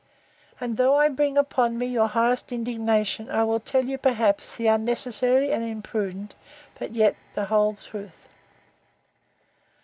And though I bring upon me your highest indignation, I will tell you, perhaps, the unnecessary and imprudent, but yet the whole truth.